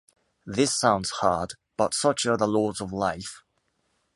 This sounds hard, but such are the laws of life.